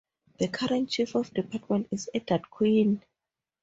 The current Chief of Department is Edward Quinn.